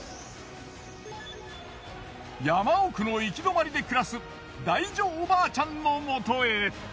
山奥の行き止まりで暮らすダイ女おばあちゃんのもとへ。